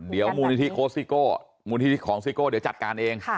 เดี๋ยวโครสทิโก้มูลพี่ของเขาจะจัดการตัวเอง